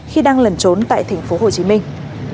khi đang lẩn trốn tại thành phố hồ chí minh